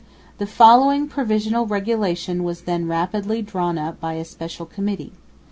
The following Provisional Regulation was then rapidly drawn up by a special committee.